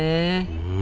うん？